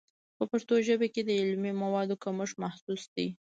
په پښتو ژبه کې د علمي موادو کمښت محسوس دی.